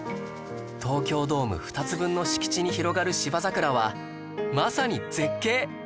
東京ドーム２つ分の敷地に広がる芝桜はまさに絶景！